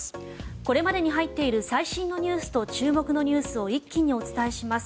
これまでに入っている最新ニュースと注目ニュースを一気にお伝えします。